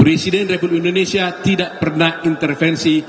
presiden republik indonesia tidak pernah intervensi